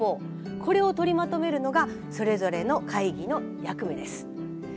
これを取りまとめるのがそれぞれの会議の役目です。